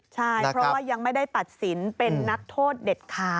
ใช่เพราะว่ายังไม่ได้ตัดสินเป็นนักโทษเด็ดขาด